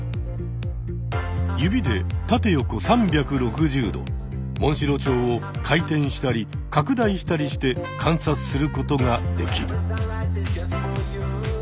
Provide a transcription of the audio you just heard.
指で縦横３６０度モンシロチョウを回転したり拡大したりして観察することができる。